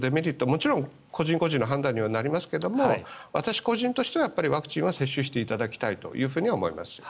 もちろん個人個人の判断にはなりますけれども私個人としてはワクチンは接種していただきたいと思います。